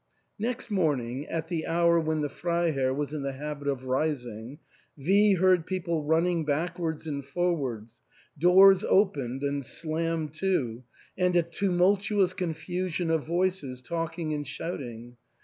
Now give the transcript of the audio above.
Next morning, at the hour when the Freiherr was in the habit of rising, V heard people running back wards and forwards, doors opened and slammed to, and a tumultuous confusion of voices talking and shouting.